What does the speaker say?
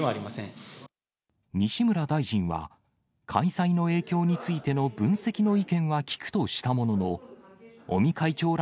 西村大臣は、開催の影響についての分析の意見は聞くとしたものの、尾身会長ら